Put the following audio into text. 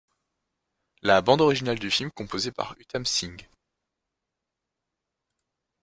La bande originale du film, composée par Uttam Singh.